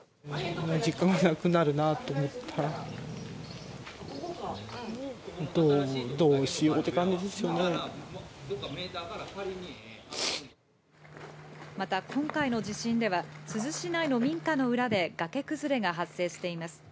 実家がなくなるなと思って、また、今回の地震では、珠洲市内の民家の裏で、崖崩れが発生しています。